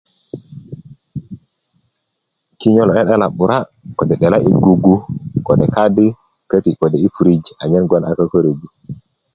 kinyölö 'de'dela 'bura lode 'dela i gugu kode kadi kode i fridge anyen gwon a kokorju